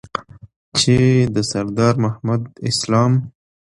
چې د سردار محمد اسلام